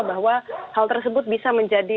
bahwa hal tersebut bisa menjadi